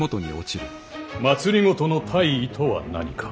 政の大意とは何か。